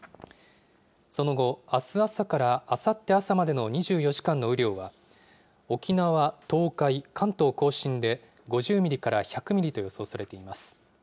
その後、あす朝からあさって朝までの２４時間の雨量は、沖縄、東海、関東甲信で５０ミリから１００ミリと予想されています。